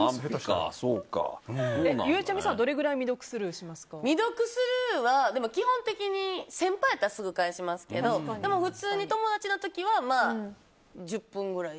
ゆうちゃみさんはどれぐらい未読スルーは、基本的に先輩やったらすぐ返しますけど普通に友達の時は１０分ぐらい。